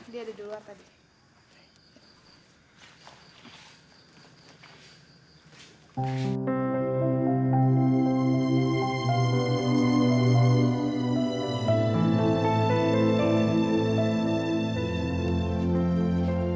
dia ada di luar tadi